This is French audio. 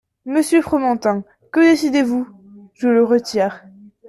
Monsieur Fromantin, que décidez-vous ? Je le retire.